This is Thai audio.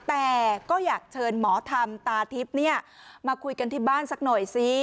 แต่ก็อยากเชิญหมอธรรมตาทิพย์มาคุยกันที่บ้านสักหน่อยซิ